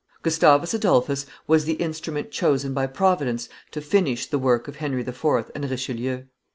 Gustavus Adolphus was the instrument chosen by Providence to finish the work of Henry IV. and Richelieu.